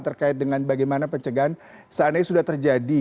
terkait dengan bagaimana pencegahan seandainya sudah terjadi